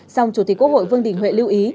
song chủ tịch quốc hội vương đình huệ lưu ý